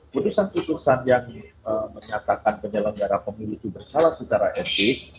putusan putusan yang menyatakan penyelenggara pemilu itu bersalah secara etik